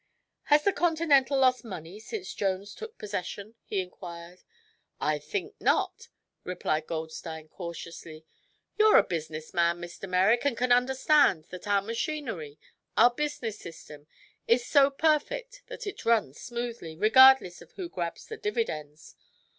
"Has the Continental lost money since Jones took possession?" he inquired. "I think not," replied Goldstein, cautiously. "You're a business man, Mr. Merrick, and can understand that our machinery our business system is so perfect that it runs smoothly, regardless of who grabs the dividends.